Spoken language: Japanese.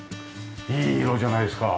いい色じゃないですか。